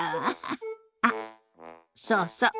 あっそうそう。